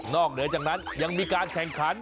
เหนือจากนั้นยังมีการแข่งขัน